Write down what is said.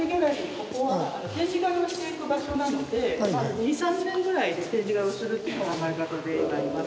ここは展示替えをしていく場所なので２３年ぐらいで展示替えをするという考え方でございます。